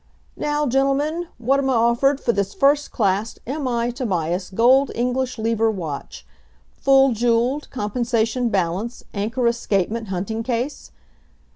"Now gentlemen, what 'moffered f'this first class M. I. Tobias gold English lever watch full jeweled, compensation balance, anchor escapement, hunting case?